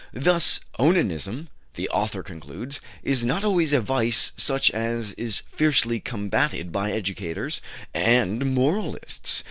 Thus, onanism," the author concludes, "is not always a vice such as is fiercely combated by educators and moralists.